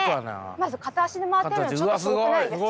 まず片足で回っているのちょっとすごくないですか？